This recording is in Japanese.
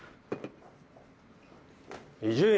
伊集院！